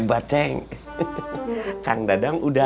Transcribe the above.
sepain tim ini warnanya kan masih damai